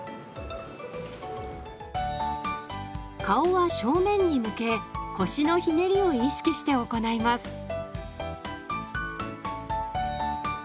顔は正面に向け腰のひねりを意識して行います。